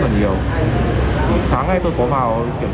sáng nay tôi có vào kiểm tra cái chỗ tài khoản của tôi và tôi cũng khá lo lắng